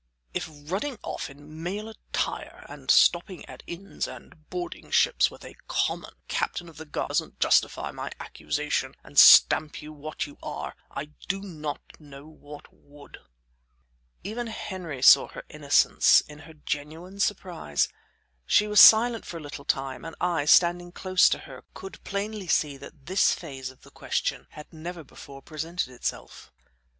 "If running off in male attire, and stopping at inns and boarding ships with a common Captain of the guard doesn't justify my accusation and stamp you what you are, I do not know what would." Even Henry saw her innocence in her genuine surprise. She was silent for a little time, and I, standing close to her, could plainly see that this phase of the question had never before presented itself.